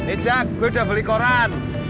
eh cak gue udah beli koran